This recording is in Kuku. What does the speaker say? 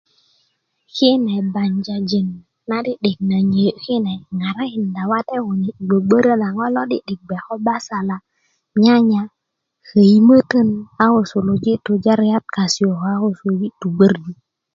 kine banjajin na 'di'dik na nyei kune ŋarakinda wate kune bgwbgworo na ŋo lo'di'dik bge ko basala nyanya a ko koimoton a ko suluji tujariat kase a ko sulujo tubgworju